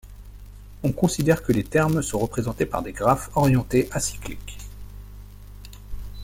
On considère que les termes sont représentés par des graphes orientés acyclique.